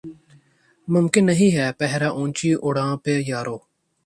ممکن نہیں ہے پہرہ اونچی اڑاں پہ یارو